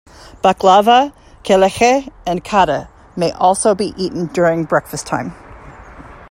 Baklawa, kelecheh, and kadeh may also be eaten during breakfast time.